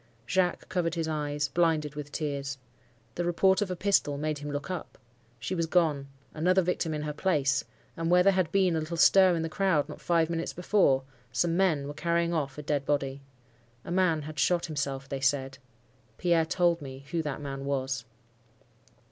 "Jacques covered his eyes, blinded with tears. The report of a pistol made him look up. She was gone—another victim in her place—and where there had been a little stir in the crowd not five minutes before, some men were carrying off a dead body. A man had shot himself, they said. Pierre told me who that man was."